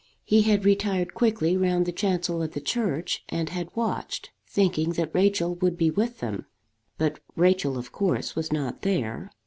He had retired quickly round the chancel of the church, and had watched, thinking that Rachel would be with them. But Rachel, of course, was not there.